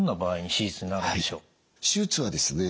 手術はですね